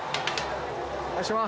お願いします。